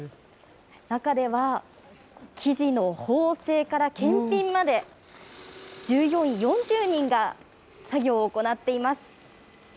中では生地の縫製から検品まで従業員４０人が作業を行っています。